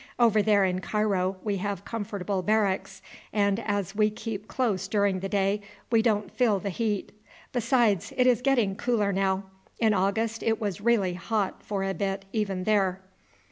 Over there in Cairo we have comfortable barracks, and as we keep close during the day we don't feel the heat. Besides, it is getting cooler now. In August it was really hot for a bit even there."